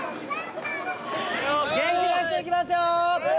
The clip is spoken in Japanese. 元気出していきますよよぉっ！